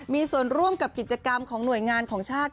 มีส่วนร่วมกับกิจกรรมของหน่วยงานของชาติ